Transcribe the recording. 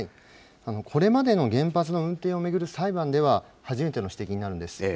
これまでの原発の運転を巡る裁判では、初めての指摘になるんです。